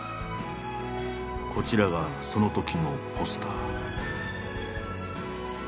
こちらがそのときのポスター。